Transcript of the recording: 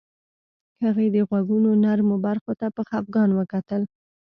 هغې د غوږونو نرمو برخو ته په خفګان وکتل